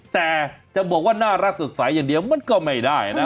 แต่จะบอกว่าน่ารักสดใสอย่างเดียวมันก็ไม่ได้นะ